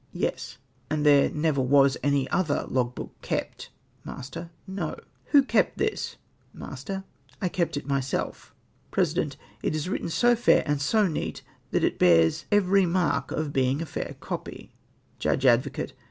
—" Yes." " And there never was any other log book kept ?" Master. —" No." " Who kept this ?" Master. —" I kept it myself." President. —" It is written so fair and so neat that it bears every mark of being a fair copyf'' Judge Advocate.